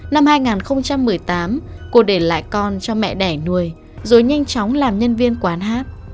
năm hai nghìn một mươi tám cô để lại con cho mẹ đẻ nuôi rồi nhanh chóng làm nhân viên quán hát